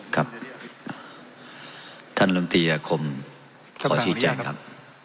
ครับท่านลำตีอาคมขอชี้แจงครับ